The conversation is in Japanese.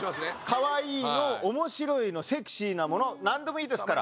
可愛いの面白いのセクシーなものなんでもいいですから。